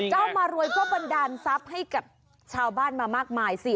มารวยก็บันดาลทรัพย์ให้กับชาวบ้านมามากมายสิ